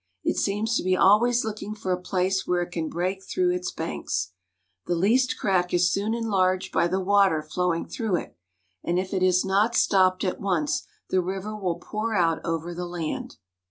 It seems 'to be always looking for a place where it can break through its banks. The least crack is soon enlarged by the water flowing through it, and if it is not stopped at once the river will pour out over the land.